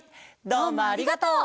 どうもありがとう。